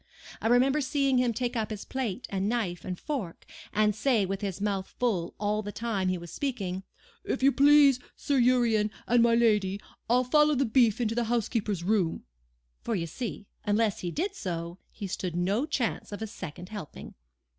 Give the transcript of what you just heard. I remember seeing him take up his plate and knife and fork, and say with his mouth full all the time he was speaking: 'If you please, Sir Urian, and my lady, I'll follow the beef into the housekeeper's room;' for you see, unless he did so, he stood no chance of a second helping.